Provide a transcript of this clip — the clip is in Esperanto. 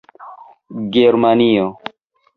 germanio